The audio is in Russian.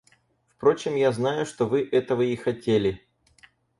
Впрочем, я знаю, что вы этого и хотели.